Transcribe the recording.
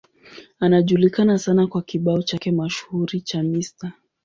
Anajulikana sana kwa kibao chake mashuhuri cha Mr.